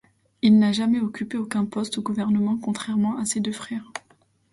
Il n'a jamais occupé aucun poste au gouvernement contrairement à ses deux frères.